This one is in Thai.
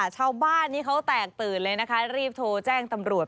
ชาวบ้านนี้เขาแตกตื่นเลยนะคะรีบโทรแจ้งตำรวจ